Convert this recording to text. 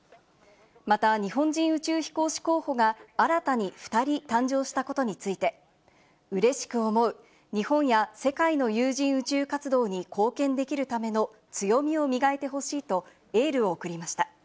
また日本人宇宙飛行士候補が新たに２人誕生したことについて、嬉しく思う、日本や世界の有人宇宙活動に貢献できるための強みを磨いてほしいとエールを送りました。